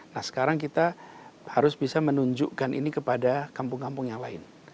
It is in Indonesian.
nah sekarang kita harus bisa menunjukkan ini kepada kampung kampung yang lain